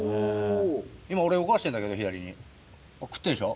今俺動かしてんだけど左に食ってるでしょ。